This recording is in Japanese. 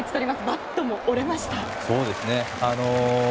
バットも折れましたね。